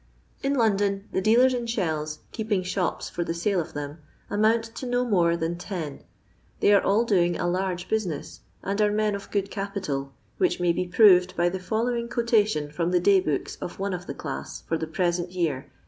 In London, the dealers in shells, keeping shops for the sale of them, amount to no more than ten ; they are all doing a large business, and ara men of good capital, which may be proved by the following quotation from the day booka of one of the class for the present year, vis.